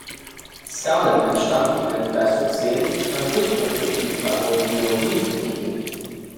Skalen, entstanden im Pleistozän beim Durchbruch durch die Granodiorit-Riegel.